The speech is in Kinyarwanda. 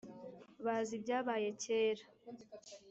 bazi ibyabaye kera